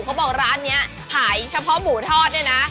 เขาบอกร้านนี้สะพ้องหมูทอดเนี่ยนะ